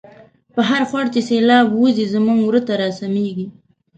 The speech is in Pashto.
په هرخوړ چی سیلاب وزی، زمونږ وره ته را سمیږی